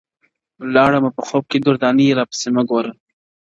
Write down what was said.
ولاړمه، په خوب کي دُردانې راپسي مه ګوره-